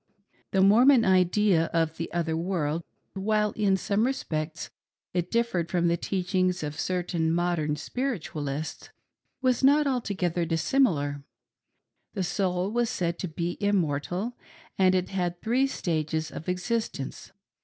The Mormon idea of the other world, while in some respects it differed from the teachings of certain modern " Spiritualists" was not altogether dissimilar. The soul was said to be immortal, and it had three stages of existence.